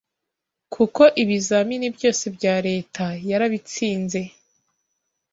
kuko ibizamini byose bya Leta yarabitsinze